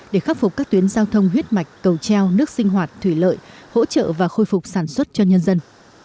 để khắc phục các tuyến giao thông huyết mạch cầu treo nước sinh hoạt thủy lợi hỗ trợ và khôi phục sản xuất cho nhân dân